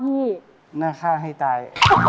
หน้าค่าให้ตาย